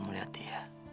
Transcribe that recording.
dan melihat dia